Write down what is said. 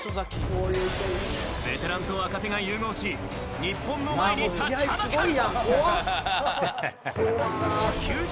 ベテランと若手が融合し日本の前に立ちはだかる。